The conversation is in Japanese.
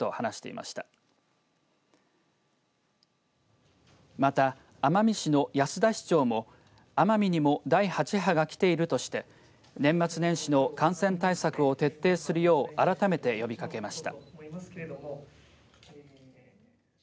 また、奄美市の安田市長も奄美にも第８波が来ているとして年末年始の感染対策を徹底するよう改めて呼びかけました。